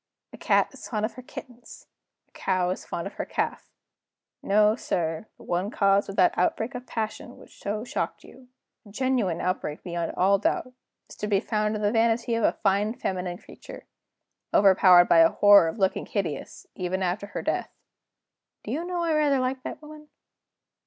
"A cat is fond of her kittens; a cow is fond of her calf. No, sir, the one cause of that outbreak of passion which so shocked you a genuine outbreak, beyond all doubt is to be found in the vanity of a fine feminine creature, overpowered by a horror of looking hideous, even after her death. Do you know I rather like that woman?"